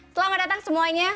selamat datang semuanya